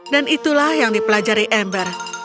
dan itulah yang dipelajari ember